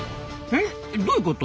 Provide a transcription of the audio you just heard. えっどういうこと？